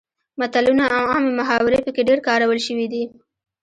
متلونه او عامې محاورې پکې ډیر کارول شوي دي